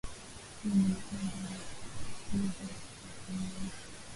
wimbi la kwanza la kufukuzwa kwa kiwango